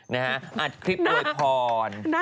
นะฮะอัดคลิปโดยพร